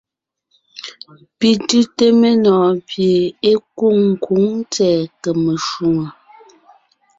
Pi tʉ́te menɔɔn pie é kwôŋ kwǒŋ tsɛ̀ɛ kème shwòŋo.